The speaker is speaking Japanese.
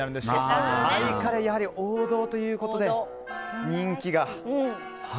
タイカレーがやはり王道ということで人気が。